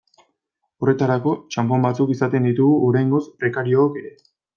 Horretarako txanpon batzuk izaten ditugu oraingoz prekariook ere.